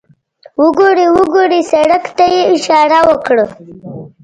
وګورئ، وګورئ، سړک ته یې اشاره وکړه.